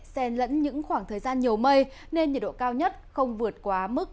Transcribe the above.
xen lẫn những khoảng thời gian nhiều mây nên nhiệt độ cao nhất không vượt quá mức ba mươi ba độ